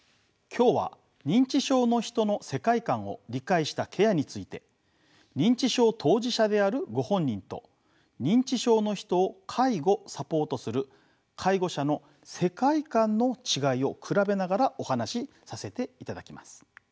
今日は認知症の人の世界観を理解したケアについて認知症当事者であるご本人と認知症の人を介護サポートする介護者の世界観の違いを比べながらお話しさせていただきます。